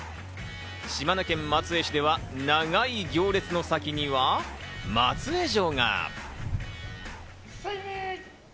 島根県松江市では長い行列の先には、松江城が。